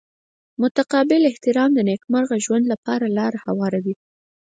متقابل احترام د نیکمرغه ژوند لپاره لاره هواروي.